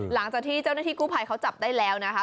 หลังจากที่เจ้าหน้าที่กู้ภัยเขาจับได้แล้วนะคะ